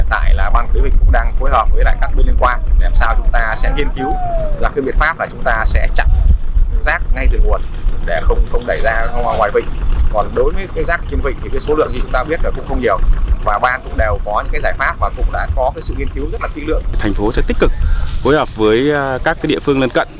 thành phố sẽ tích cực hối hợp với các địa phương lên cận